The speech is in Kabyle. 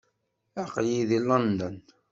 Aql-iyi deg London?